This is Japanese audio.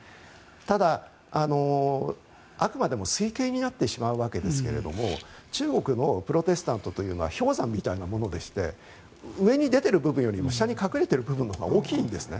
ただ、あくまでも推計になってしまうわけですが中国のプロテスタントというのは氷山みたいなものでして上に出ている部分よりも下に隠れている部分のほうが大きいんですね。